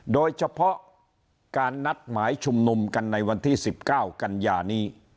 โดยเฉพาะการนัดหมายชุมนุมกันในวันที่๑๙กันยานี้